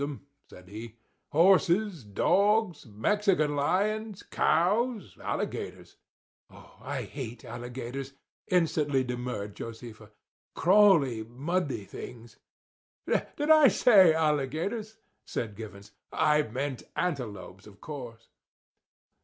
"I always loved 'em," said he; "horses, dogs, Mexican lions, cows, alligators—" "I hate alligators," instantly demurred Josefa; "crawly, muddy things!" "Did I say alligators?" said Givens. "I meant antelopes, of course."